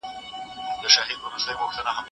دغه قوانين د تجربې او مشاهدې په واسطه کشف کيږي.